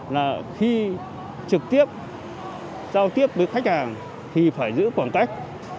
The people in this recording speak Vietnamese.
là khi trực tiếp giao tiếp với khách hàng thì phải giữ khoảng cách